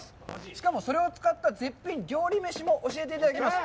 しかも、それを使った絶品漁師飯も教えていただきます。